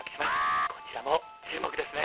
こちらも注目ですね！